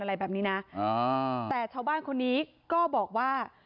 อะไรแบบนี้นะแต่ชาวบ้านคนนี้ก็บอกว่า